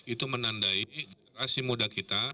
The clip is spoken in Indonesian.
itu menandai generasi muda kita